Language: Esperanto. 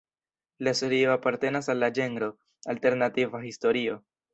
La serio apartenas al la ĝenro alternativa historio.